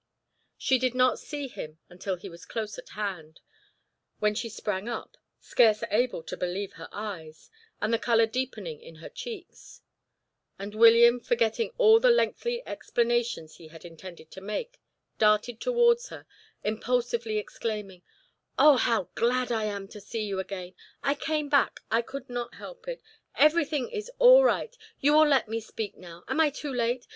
She did not see him until he was close at hand, when she sprang up, scarce able to believe her eyes, and the colour deepening in her cheeks; and William forgetting all the lengthy explanations he had intended to make, darted towards her, impulsively exclaiming: "Oh, how glad I am to see you again! I came back I could not help it everything is all right you will let me speak now am I too late?